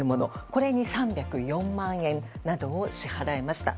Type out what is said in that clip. これに３０４万円などを支払いました。